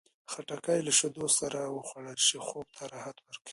خټکی له شیدو سره وخوړل شي، خوب ته راحت ورکوي.